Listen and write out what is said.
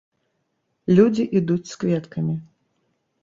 Людзі ідуць з кветкамі.